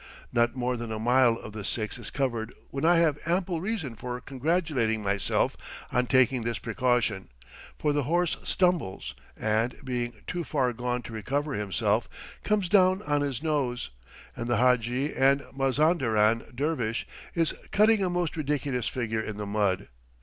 Not more than a mile of the six is covered when I have ample reason for congratulating myself on taking this precaution, for the horse stumbles, and, being too far gone to recover himself, comes down on his nose, and the "hadji and Mazanderau dervish" is cutting a most ridiculous figure in the mud.